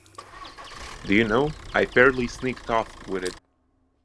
Do you know, I fairly sneaked off with it.